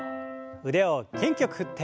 腕を元気よく振って。